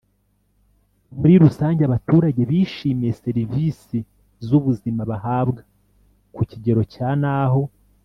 Muri rusange abaturage bishimiye serivisi z ubuzima bahabwa ku kigero cya naho